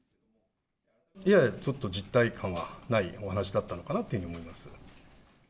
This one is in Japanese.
ややちょっと実体感はないお話だったのかなとは思います。